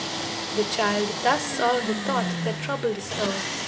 The child thus solved the thought that troubled so.